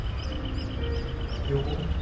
旅行？